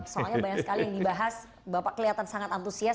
soalnya banyak sekali yang dibahas bapak kelihatan sangat antusias